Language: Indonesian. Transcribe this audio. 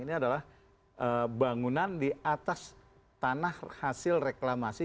ini adalah bangunan di atas tanah hasil reklamasi